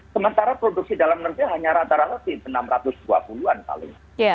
sementara produksi dalam negeri hanya rata rata enam ratus dua puluh an paling